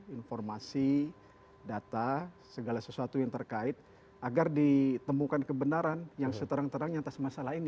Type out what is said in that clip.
informasi data segala sesuatu yang terkait agar ditemukan kebenaran yang seterang terangnya atas masalah ini